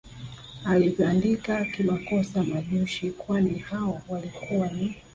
ulivyoandika kimakosa Majushi kwani hao walikuwa ni